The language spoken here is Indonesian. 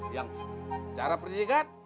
yang secara perjilikat